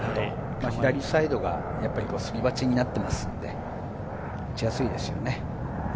左サイドがすり鉢になっていますので、打ちやすいですよね。